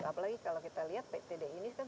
apalagi kalau kita lihat ptd ini kan